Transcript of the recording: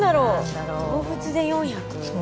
動物で４００。